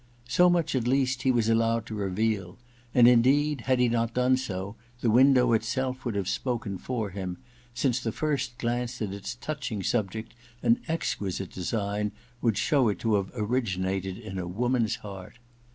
So much, at least, he was allowed to reveal ; and indeed, had he not done so, the window itself would have spoken for him, since the first glance at its touching subject and exquisite design would show it to have originated in a woman's heart.